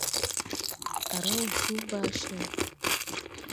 Á raw woo su baa cee.